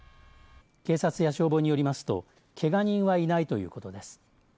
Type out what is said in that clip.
警察や消防によりますとけが人はいないということです。